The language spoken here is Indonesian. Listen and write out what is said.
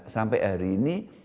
sampai hari ini